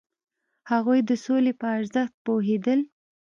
هغوی د سولې په ارزښت پوهیدل.